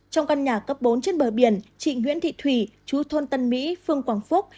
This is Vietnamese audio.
trong căn nhà cấp bốn trên bờ biển chị nguyễn thị thủy chú thôn tân mỹ phương quảng phúc